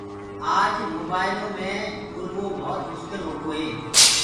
آج موبآئلو مي ٻولوو ڀوت مشڪل هوگو هي